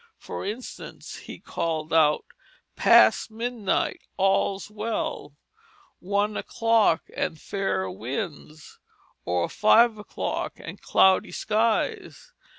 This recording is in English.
For instance, he called out, "Past midnight, and all's well"; "One o'clock and fair winds," or "Five o'clock and cloudy skies."